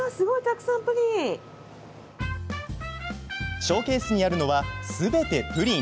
ショーケースにあるのはすべてプリン。